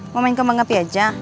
mau main kembang api aja